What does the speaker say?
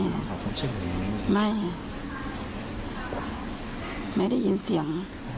ไม่ไม่ไม่ได้ยินเสียง